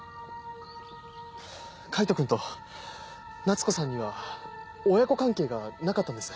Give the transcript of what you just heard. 海人くんと夏子さんには親子関係がなかったんです。